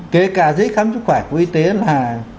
kể cả giấy khám sức khỏe của y tế là